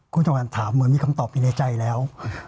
คุณจำวันถามเหมือนมีคำตอบอยู่ในใจแล้ว